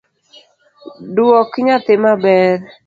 Duok nyathi maber